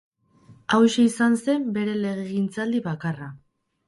Hauxe izan zen bere legegintzaldi bakarra.